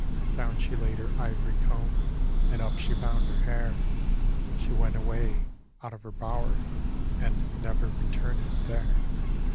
Down she laid her ivory comb, And up ^e bound her hair; She went away out of her bower, And never returned there.